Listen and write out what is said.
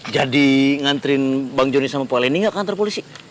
jadi ngantriin bang joni sama poleni gak ke kantor polisi